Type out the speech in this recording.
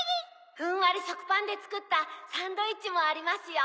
ふんわりしょくパンでつくったサンドイッチもありますよ。